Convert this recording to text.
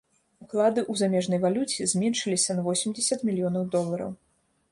Уклады ў замежнай валюце зменшыліся на восемдзесят мільёнаў долараў.